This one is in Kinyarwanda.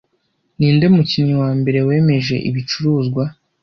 Ninde mukinnyi wa mbere wemeje ibicuruzwa